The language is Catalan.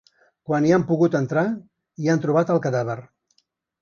Quan hi han pogut entrar, hi han trobat el cadàver.